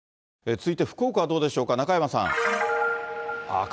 続いて福岡はどうでしょうか、中山さん。